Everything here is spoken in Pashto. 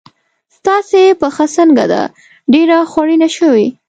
ستاسې پښه څنګه ده؟ ډېره خوړینه شوې.